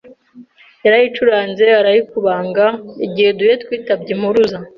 Yarayicuranze arayikubanga Igihe duhuye twitabye Impuruza